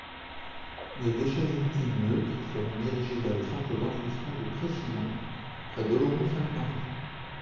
Les déchets ultimes neutres seront dirigés vers le centre d'enfouissement de Précilhon, près d'Oloron-Sainte-Marie.